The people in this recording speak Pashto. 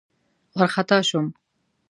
وارخطا شوم.